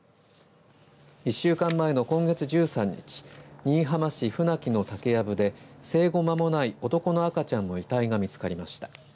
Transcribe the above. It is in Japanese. １週間前の今月１３日新居浜市船木の竹やぶで生後間もない男の赤ちゃんの遺体が見つかりました。